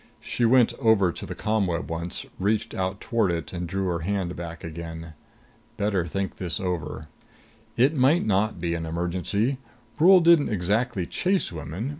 She went over to the ComWeb once, reached out toward it and drew her hand back again. Better think this over. It might not be an emergency. Brule didn't exactly chase women.